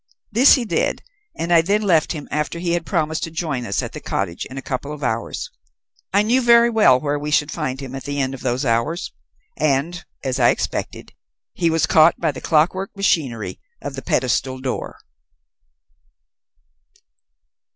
This he did, and I then left him after he had promised to join us at the cottage in a couple of hours. I knew very well where we should find him at the end of those hours; and, as I expected, he was caught by the clockwork machinery of the pedestal door."